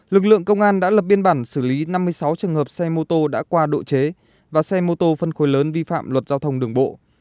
lực lượng công an đã lập biên bản xử lý năm mươi sáu trường hợp xe mô tô đã qua độ chế và xe mô tô phân khối lớn vi phạm luật giao thông đường bộ